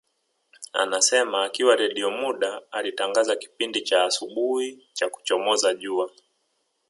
Anasema akiwa Redio muda alitangaza kipindi cha asubuhi cha kuchomoza jua